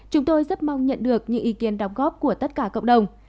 chúng tôi rất mong nhận được những ý kiến đóng góp của tất cả cộng đồng